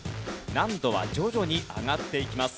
難度は徐々に上がっていきます。